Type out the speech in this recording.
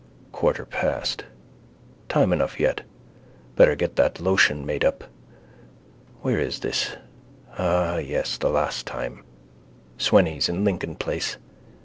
Quarter past. Time enough yet. Better get that lotion made up. Where is this? Ah yes, the last time. Sweny's in Lincoln place.